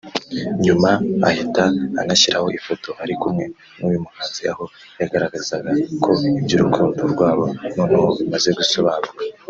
nyuma ahita anashyiraho ifoto ari kumwe n’uyu muhanzi aho yagaragazaga ko iby’urukundo rwabo noneho bimaze gusobanuka